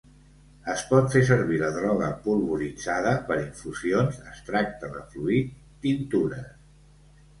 Es pot fer servir la droga polvoritzada, per infusions, extracte de fluid, tintures.